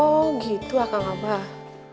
oh gitu kakak abah